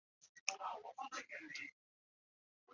于是其校队由此得名。